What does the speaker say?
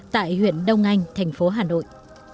tại huyện đông anh thành phố hà nội